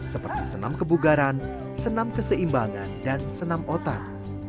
seperti senam kebugaran senam keseimbangan dan senam otak